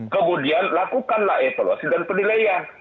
kemudian lakukanlah evaluasi dan penilaian